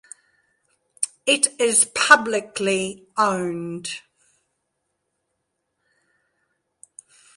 It is publicly owned.